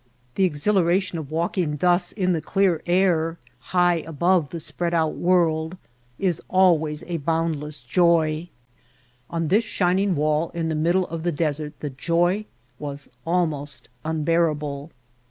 The exhilaration of walking thus in the clear air high above the spread out world is always a boundless joy; on this shining wall in the middle of the desert the joy was almost unbearable.